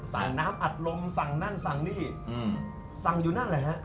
น้ำอัดลมสั่งนั่นสั่งนี่สั่งอยู่นั่นแหละฮะ